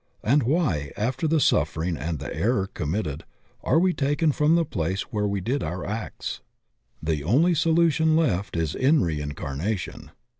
And why after the suffering and the error conmiitted are we taken from the place where we did our acts? The only solution left is in reincar nation.